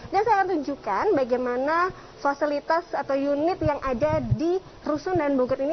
dan saya akan tunjukkan bagaimana fasilitas atau unit yang ada di rusun dan bogot ini